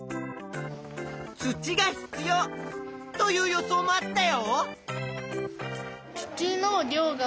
「土が必要」という予想もあったよ。